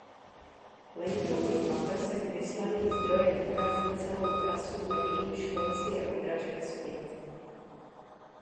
Laserový paprsek vyslaný zdrojem urazí celou trasu na jejímž konci je odražen zpět.